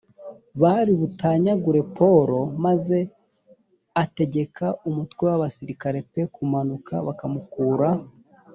bari butanyagure pawulo maze ategeka umutwe w abasirikare p kumanuka bakamukura